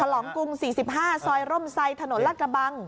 ลองกรุง๔๕ซอยร่มไซถนนรัฐกระบัง